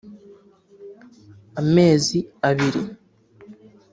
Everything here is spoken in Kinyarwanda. amezi abiri